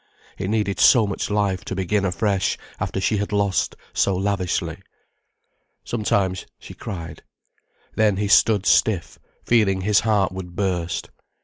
It needed so much life to begin afresh, after she had lost so lavishly. Sometimes she cried. Then he stood stiff, feeling his heart would burst.